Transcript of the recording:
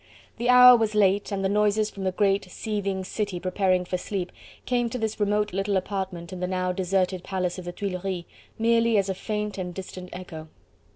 The hour was late, and the noises from the great, seething city preparing for sleep came to this remote little apartment in the now deserted Palace of the Tuileries, merely as a faint and distant echo.